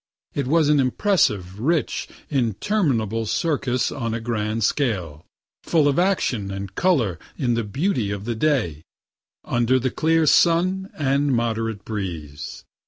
It was an impressive, rich, interminable circus on a grand scale, full of action and color in the beauty of the day, under the clear sun and moderate breeze.